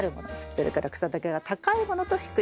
それから草丈が高いものと低いもの